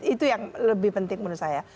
itu yang lebih penting menurut saya